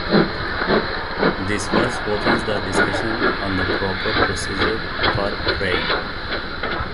This verse opens the discussion on the proper procedure for praying.